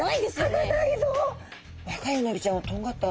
若いうなぎちゃんはとんがった。